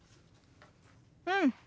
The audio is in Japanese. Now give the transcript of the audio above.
うん。